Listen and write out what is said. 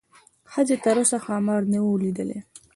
ښځې تر اوسه ښامار نه و لیدلی.